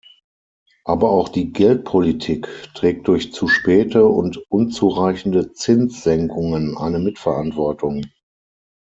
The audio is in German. Aber auch die Geldpolitik trägt durch zu späte und unzureichende Zinssenkungen eine Mitverantwortung.